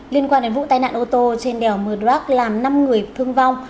liên quan đến vụ tai nạn ô tô trên đèo mờ đoác làm năm người thương vong